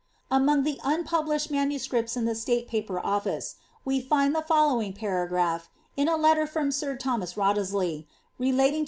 T Among the unpublislied MSS. in tlie State Paper Olfice, we find the :*^ fenowing' paragraph, in a letter from sir Thomas Wriothesley, relating i::^?